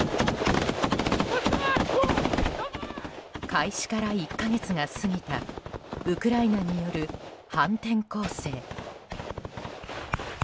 開始から１か月が過ぎたウクライナによる反転攻勢。